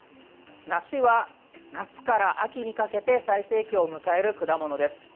梨は夏から秋にかけて最盛期を迎える果物です。